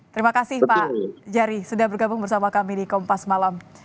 terima kasih pak jari sudah bergabung bersama kami di kompas malam